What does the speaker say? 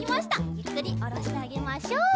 ゆっくりおろしてあげましょう。